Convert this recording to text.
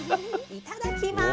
いただきます。